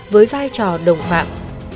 với vai trò đồng phạm